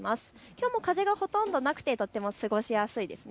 きょうも風がほとんどなくてとっても過ごしやすいです。